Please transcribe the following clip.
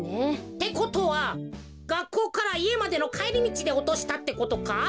ってことはがっこうからいえまでのかえりみちでおとしたってことか？